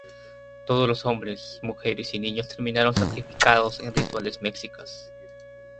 Todos los hombres, mujeres y niños terminaron sacrificados en rituales mexicas.